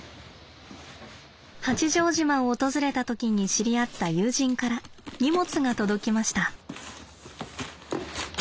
八丈島を訪れた時に知り合った友人から荷物が届きました。